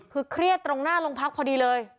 คือเครียดตรงหน้าโรงพักพอดีเลย